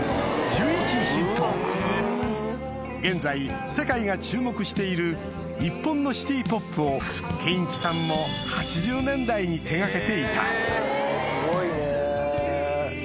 現在世界が注目している日本のシティ・ポップを健一さんも８０年代に手掛けていたすごいね。